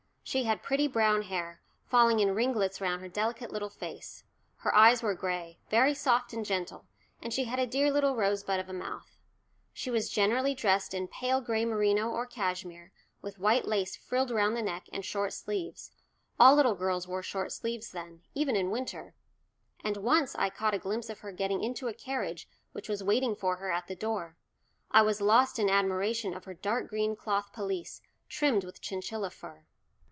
She had pretty brown hair, falling in ringlets round her delicate little face; her eyes were gray, very soft and gentle, and she had a dear little rosebud of a mouth. She was generally dressed in pale gray merino or cashmere, with white lace frilled round the neck and short sleeves all little girls wore short sleeves then, even in winter; and once when I caught a glimpse of her getting into a carriage which was waiting for her at the door, I was lost in admiration of her dark green cloth pelisse trimmed with chinchilla fur.